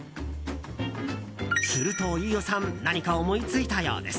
すると飯尾さん何か思いついたようです。